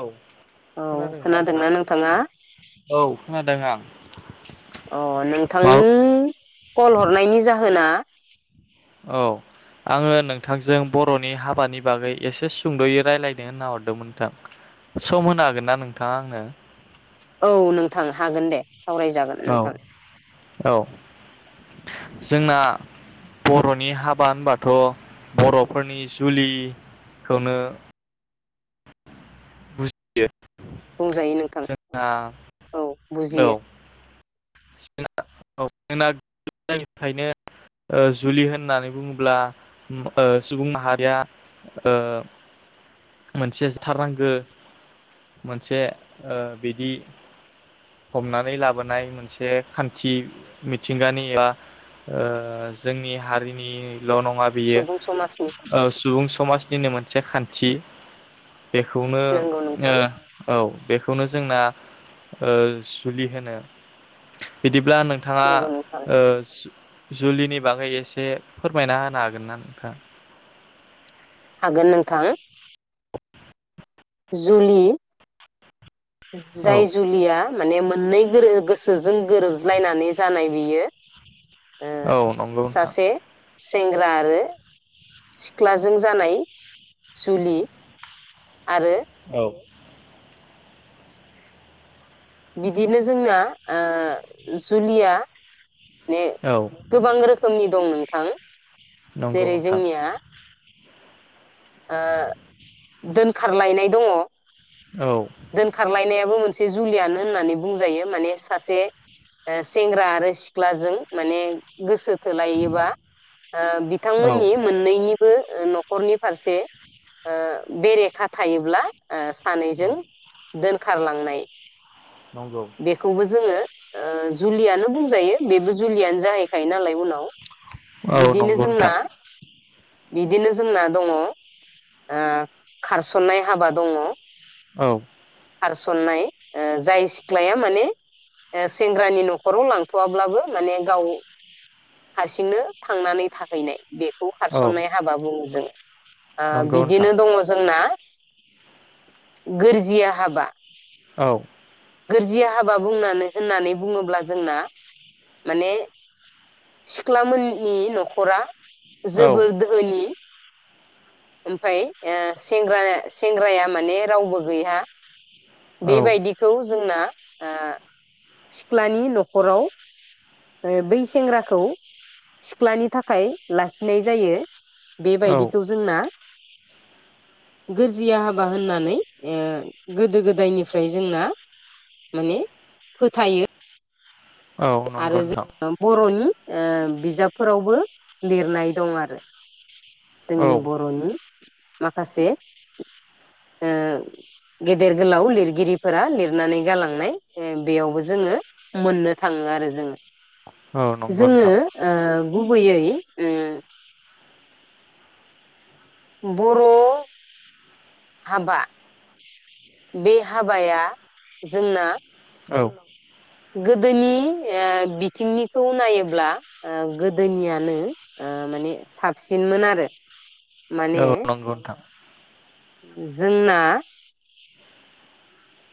औ। औ खोनादोंना नोंथां नोंथाङा औ खोनादों आं। अ नोंथांनि कल हरनायनि जाहोना? औ आङो नोंथांजों बर'नि हाबानि बागै एसे सुंद'यै रायलायनो होनना हरदोंमोन नोंथां सम होनो हागोनना नोंथाङा आंनो? औ नोंथां हागोन दे। सावरायजागोन आंनो नोंथां। औ औ जोंना बर'नि हाबा होनबाथ' बर'फोरनि जुलिखौनो [unintelligible] बुंजायो नोंथां जोंना औ। औ बुजियो। जोंना सिगांनिफ्रायनो ओ जुलि होननानै बुङोब्ला ओ सुबुं माहारिया ओ मोनसे थारनांगो मोनसे ओ बिदि हमनानै लाबोनाय मोनसे खान्थि मिथिंगानि एबा ओ जोंनि हारिनि ल' नङा बियो सुबुं समाजनि ओ सुबुं समाजनिनो मोनसे खान्थि। बेखौनो नंगौ ओ नोंथां औ बेखौ बेखौनो जोंना ओ जुलिहोनो बिदि ब्ला नोंथाङा नंगौ नोंथां ओ जुलिनि बागै एसे फोरमायना होनो हागोन ना नोंथाङा? हागोन नोंथां। जुलि औ जाय जुलिया माने मो [unintelligible] जों गोरोबज्लायनानै जानाय बियो ओ औ नंगौ नोंथां। सासे सेंग्रा आरो सिख्लाजों जानाय जुलि आरो औ बिदिनो जोंना ओ जुलिया ने औ गोबां रोखोमनि दं नों थां नंगौ जेरै नोंथां जोंनिया ओ दोनखारलायनाय दङ औ दोनखारलायनायाबो जुलियानो होननानै बुंजायो माने सासे ओ सेंग्रा आरो सिख्लाजों माने गोसो थोलायोबा ओ औ बिथांमोननि मोननैनि बो ओ नखरनि फारसे ओ बेरेखा थायोब्ला ओ सानैजों दान खारलांनाय नंगौ बेखौबो जोङो ओ जुलियानो बुंजायो बेबो जुलियानो जाहैखायो नालाय उनाव औ बिदिनो नंगौ नोंथां जोंना बिदिनो जोंना दङ ओ खारसननाय हाबा दङ औ [unintelligible] [unintelligible] माने सेंग्रानि न'खराव लांथ'वाब्लाबो माने गाव हारसिंनो थांनानै थाहैनाय बेखौ औ खारसननाय हाबा बुङो जोङो ओ नंगौ नोंथां बिदिनो दङ जोंना गोरजिया हाबा औ गोरजिया हाबा बुंनानै होननानै बुङोब्ला जोंना माने सिख्ला मोननि न'खरा औ जोबोर धोहोनि ओमफाय ओ सेंग्रा सेंग्राया माने रावबो गैया औ बेबायदिखौ जोंना ओ सिख्लानि न'खराव ओ बै सेंग्राखौ सिख्लानि थाखाय लाखिनाय जायो औ बेबायदिखौ जोंना गोज्रिया हाबा होननानै ओ गोदो गोदायनिफ्राय जोंना माने फोथायो औ आरो नंगौ नोंथां जों बर'नि ओ बिजाबफोरावबो लिरनाय दं आरो जोंनि औ बर'नि माखासे ओ गेदेर गोलाव लिरगिरिफोरा लिरनानै गालांनाय ओ बेयावबो जोङो मोननो थाङो आरो जोङो औ नंगौ जोङो नोंथां ओ गुबैयै उम बर' हाबा बे हाबाया जोंना औ गोदोनि ओ बिथिंनिखौ नायोब्ला ओ गोदोनियानो ओ माने साबसिनमोन आरो माने औ नंगौ नोंथां जोंना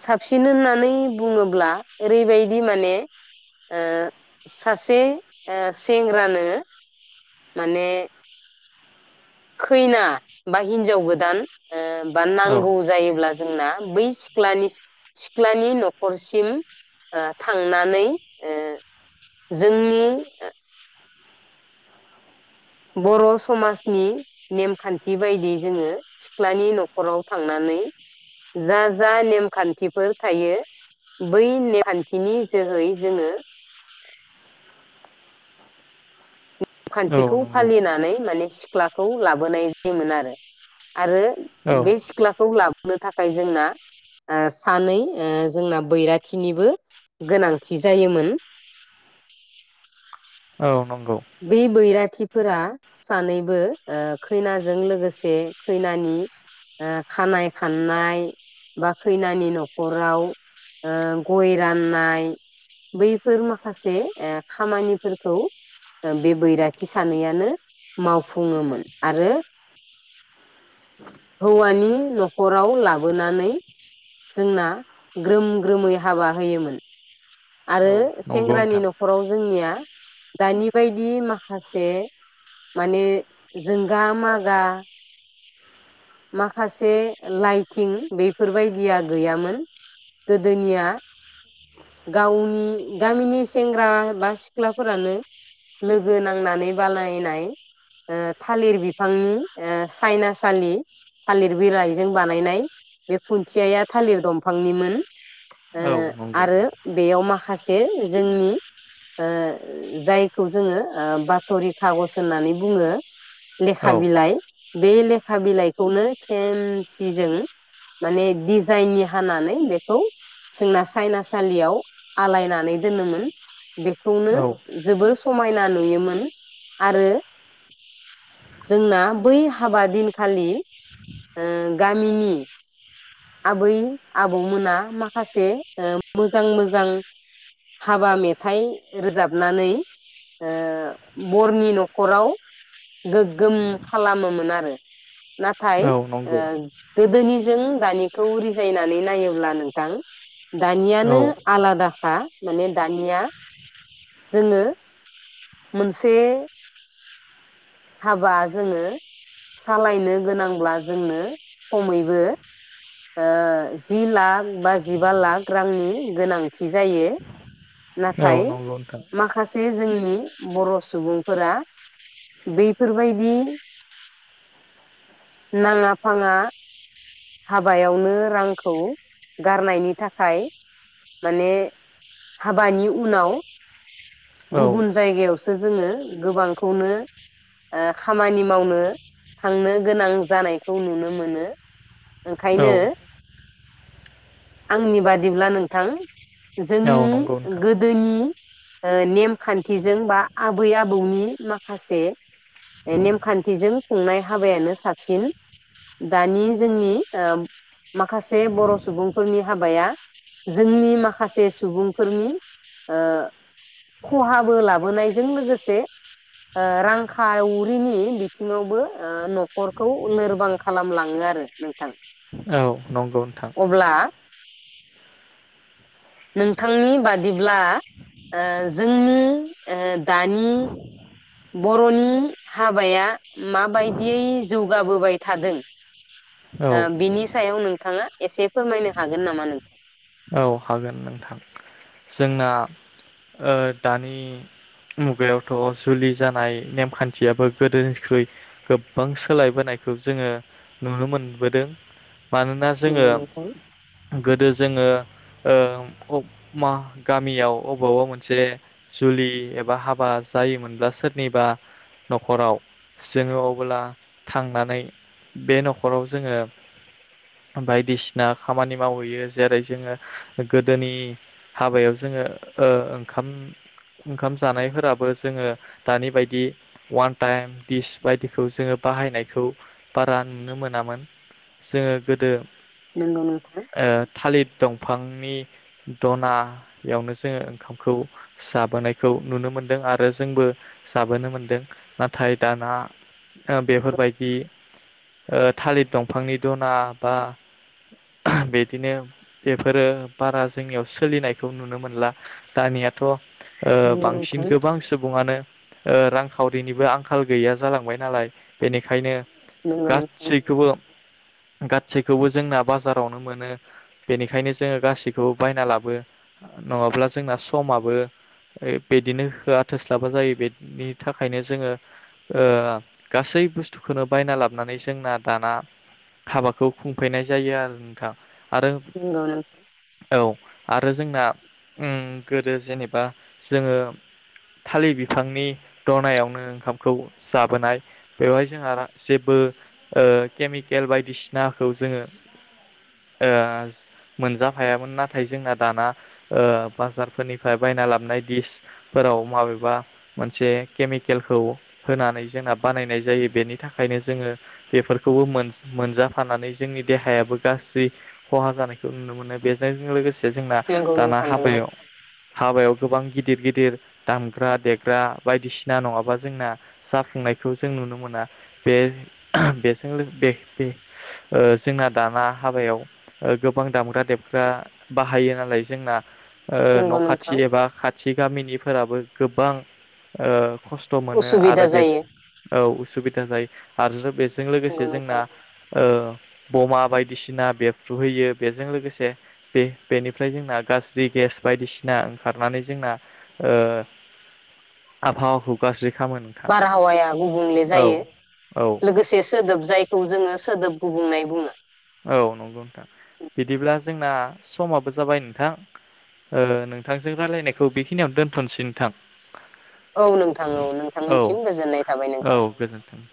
साबसिन होननानै बुङोब्ला ओरैबायदि माने ओ सासे ओ सेंग्रानो माने खैना बा हिनजाव गोदान ओ बा औ नांगौ जायोब्ला जोंना बै सिख्लानिस सिख्लानि न'खरसिम ओ थांनानै ओ जोंनि ओ बर' समाजनि नेमखान्थि बायदि जोङो सिख्लानि न'खराव थांनानै जा जा नेमखान्थिफोर थायो बै नेमखान्थिनि जोहै जोङो खान्थिखौ औ नंगौ फालिनानै माने सिख्लाखौ लाबोनाय जायोमोन आरो आरो औ बे सिख्ला खौ लाबोनो थाखाय जोंना ओ सानै ओ जोंना बैराथिनिबो गोनांथि जायोमोन। औ नंगौ बै बैराथिफोरा सानैबो ओ खैनाजों लोगोसे खैनानि ओ खानाय खाननाय बा खैनानि न'खराव ओ गय राननाय बैफोर माखासे ओ खामानिफोरखौ ओ बे बैराथि सानैयानो मावफुङोमोन आरो हौवानि न'खराव लाबोनानै जोंना ग्रोम ग्रोमै हाबा होयोमोन आरो औ नंगौ सेंग्रानि नोंथां न'खराव जोंनिया दानि बेबायदि माखासे माने जोंगा मागा माखासे लाइथिं बेफोरबायदिया गैयामोन गोदोनिया गावनि गामिनि सेंग्रा बा सिख्लाफोरानो लोगो नांनानै बालायनायनाय ओ थालिर बिफांनि ओ सायनासालि थालिर बिलाइजों बानायनाय बे खुन्थियाया थालिर दंफांनिमोन ओ औ नंगौ आरो बेयाव माखासे जोंनि ओ जाय खौ जोङो ओ बाथ'रि खागज होननानै बुङो लेखा औ बिलाइ बे लेखा बिलाइखौनो खेम सिजों माने दिजाइननि हानानै बेखौ जोंना सायनासालियाव आलायनानै दोनोमोन बेखौनो औ जोबोर समायना नुयोमोन आरो जोंना बै हाबा दिनखालि ओ गामिनि आबै आबौमोना माखासे ओ मोजां मोजां हाबा मेथाइ रोजाबनानै ओ बरनि न'खराव गोग्गोम खालामोमोन आरो नाथाय औ नंगौ ओ गोदोनि जों दानिखौ रिजायनानै नायोब्ला नोंथां दानियानो औ आलादा। हा माने दानिया जोङो मोनसे हाबा जोङो सालायनो गोनांब्ला जोंनो खमैबो ओ जि लाख बा जिबा लाख रांनि गोनांथि जायो। औ नाथाय नंगौ नोंथां माखासे जोंनि बर' सुबुंफोरा बेफोरबायदि नाङा फाङा हाबायावनो रांखौ गारनायनि थाखाय माने हाबानि उनाव औ गुबुन जायगायावसो जोङो गोबांखौनो ओ खामानि मावनो थांनो गोनां जानायखौ नुनो मोनो ओंखायनो औ आंनि बादिब्ला नोंथां जोंनि औ नंगौ नोंथां गोदोनि ओ नेमखान्थिजों बा आबै आबौनि माखासे नेमखान्थिजों खुंनाय हाबायानो साबसिन। दानि जोंनि ओ माखासे बर' सुबुंफोरनि हाबाया जोंनि माखासे सुबुंफोरनि ओ खहाबो लाबोनायजों लोगोसे ओ रां खावरिनि बिथिङावबो ओ न'खरखौ लोरबां खालामलाङो आरो नोंथां‌। नंगौ नोंथां। नोंथांनि बादिब्ला ओ जोंङो ओ दानि बर'नि हाबाया माबायदियै जौगाबोबाय थादों औ ओ बिनि सायाव नोंथाङा एसे फोरमायनो हागोन नामा नोंथां? औ हागोन नोंथां जोंना ओ दानि मुगायावथ' जुलि जानाय नेमखान्थियाबो गोदोनिख्रुइ गोबां सोलायबोनायखौ जोङो नुनो मोनबोदों। मानोना जोङो नंगौ नोंथां गोदो जोङो ओम अब मा गामियाव अबावबा मोनसे जुलि एबा हाबा जायोमोनब्ला सोरनिबा न'खराव जोङो अब्ला थांनानै बे न'खराव जोङो बायदिसिना खामानि मावहैयो जेरै जोङो गोदोनि हाबायाव जोङो ओ ओंखाम ओंखाम जानायफोराबो जोङो दानि बायदि अवान टाइम दिस बायदिखौ जोङो बाहायनायखौ बारा नुनो मोनामोन जोङो गोदो नोंगौ नोंथां। थालिर दं फांनि दनायावनो जोङो ओंखामखौ जाबोनायखौ नुनो मोनदों आरो जोंबो जाबोनो मोनदों। नाथाय दाना ओ बेफोरबायदि ओ थालिर दंफांनि दना बा बिदिनो बेफोरो बारा जोंनियाव सोलिनायखौ नुनो मोनला दानियाथ' ओ नंगौ बांसिन नोंथां गोबां सुबुङानो ओ रांखावरिनिबो आंखाल गैया जालांबाय नालाय बेनिखायनो नंगौ नोंथां गासैखोबो गादसैखौबो जोंना बाजारावनो मोनो। बेनिखायनो जोङो गासैखौबो बायना लाबो नङाब्ला जोंना समाबो ओ बिदिनो होआ थोस्लाबा जायो बेनि थाखायनो जोङो ओ गासै बुस्थुखोनो बायना लाबोनानै जोंना दाना हाबाखौ खुंफैनाय जायो आरो नोंथां आरो नोंगौ नोंथां। औ आरो जोंना उम गोदो जेनेबा जोङो थालिर बिफांनि दनायावनो ओंखामखौ जाबोनाय बेवहाय जोंहारा जेबो ओ केमिकेल बायदिसिनाखौ जोङो ओ मोनजाफायामोन नाथाय जोंना दाना ओ बाजारफोरनिफ्राय बायना लाबाय दिसफोराव माबेबा मोनसे केमिकेलखौ होनानै जोंना बानायनाय जायो बेनि थाखायनो जोङो बेफोरखौबो मोनज मोनजाफानानै जोंनि देहायाबो गासि खहा जानाय खौ नुनो मोननाय [unintelligible] लोगोसे जे जोंना नंगौ दाना नोंथां नंगौ हाबायाव हाबायाव गोबां गिदिर गिदिर दामग्रा देग्रा बायदिसिना नङाबा जोंना जाफुंनायखौ जों नुनो मोना। बे-बेजों लो बे-बे ओ जोंना दाना हाबायाव गोबां दामग्रा देबग्रा बाहायो नालाय जोंना ओ नंगौ न'खाथि नोंथां एबा खाथि गामिनिफोराबो गोबां ओ खस्थ' मोनो उसुबिदा आरो बेज जायो औ उसुबिदा जायो आरो बेजों नंगौ लोगोसे जोंना नोंथां ओ बमा बायदिसिना बेरफ्रुहैयो। बेजों लोगोसे बे-बेनिफ्राय जोंना गाज्रि गेस बायदिसिना ओंखारनानै जोंना ओ आबहावाखौ गाज्रि खालामो नोंथां बारहावाया गुबुंले औ जायो औ लोगोसे सोदोब जायखौ जोङो सोदोब गुबुंनाय बुङो। औ नंगौ नोंथां बिदिब्ला जोंना समाबो जाबाय नोंथां ओ नोंथांजों रायलायनायखौ बेखिनियावनो दोनथ'नोसै नोंथां। औ नोंथां औ औ नोंथांनिसिम गोजोननाय थाबाय औ नोंथां। गोजोन्थों